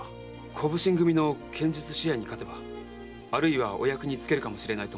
小普請組の剣術試合に勝てばお役につけるかもしれません。